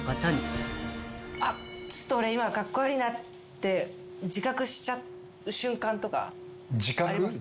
ちょっと俺今カッコ悪いなって自覚しちゃう瞬間とか。